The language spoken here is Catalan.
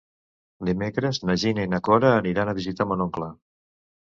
Dimecres na Gina i na Cora aniran a visitar mon oncle.